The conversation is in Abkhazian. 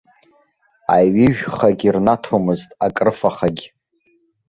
Аҩыжәхагьы рнаҭомызт, акрыфахагь.